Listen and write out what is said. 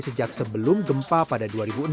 sejak sebelum gempa pada dua ribu enam